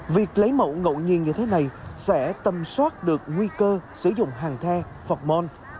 việc lấy mẫu ngẫu nhiên như thế này sẽ tầm soát được nguy cơ sử dụng hàng the phọc mon